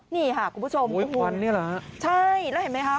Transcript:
นี่ค่ะคุณผู้ชมโอ้โฮควันนี่หรือครับใช่แล้วเห็นไหมคะ